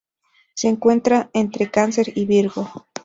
Se encuentra entre Cáncer y Virgo.